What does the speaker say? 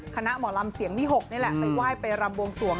คณะหมอรำเสียงนี่๖ที่ว่าไปรำบวงสวง